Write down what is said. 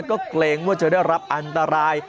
ก็เกรงว่าจะได้รับอันตราย